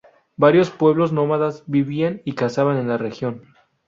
Varios pueblos nómadas vivían y cazaban en la región.